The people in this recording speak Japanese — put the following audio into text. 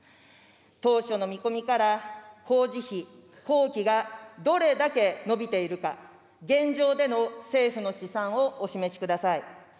当初の見込みから工事費、工期がどれだけ伸びているか、現状での政府の試算をお示しください。